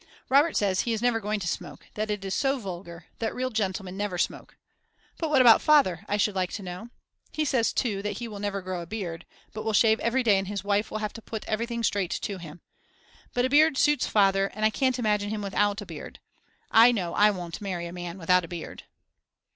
Robert says he is never going to smoke, that it is so vulgar, that real gentlemen never smoke. But what about Father, I should like to know? He says, too, that he will never grow a beard but will shave every day and his wife will have to put everything straight to him. But a beard suits Father and I can't imagine him without a beard. I know I won't marry a man without a beard.